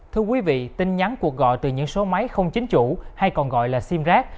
thưa quý vị tin nhắn cuộc gọi từ những số máy không chính chủ hay còn gọi là sim rác